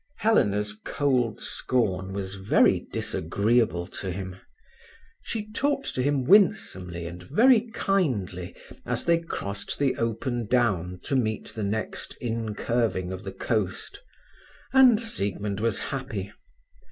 Helena's cold scorn was very disagreeable to him. She talked to him winsomely and very kindly as they crossed the open down to meet the next incurving of the coast, and Siegmund was happy.